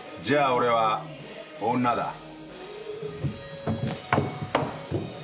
じゃあ俺は女だ。